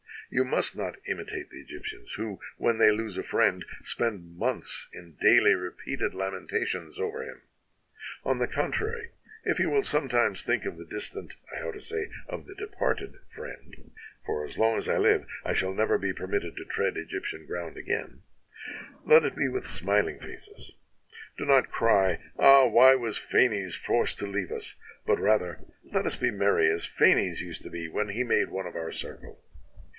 You must not imitate the Egyptians, who, when they lose a friend, spend months in daily repeated lamentations over him. On the contrary, if you will sometimes think of the dis tant, I ought to say, of the departed, friend (for as long as I live I shall never be permitted to tread Egyptian ground again), let it be with smiling faces; do not cry, 'Ah! why was Phanes forced to leave us?' but rather, 'Let us be merry, as Phanes used to be when he made one of our circle